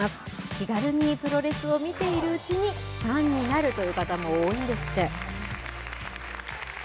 気軽にプロレスを見ているうちに、ファンになるという方も多いんですって。